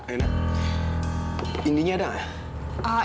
alena indynya ada gak